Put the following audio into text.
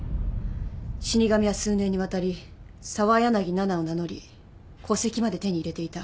死神は数年にわたり澤柳菜々を名乗り戸籍まで手に入れていた。